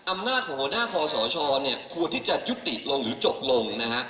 อำนาจของหัวหน้าคอสชเนี่ยควรที่จะยุติลงหรือจบลงนะฮะ